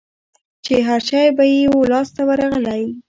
چي هرشی به یې وو لاس ته ورغلی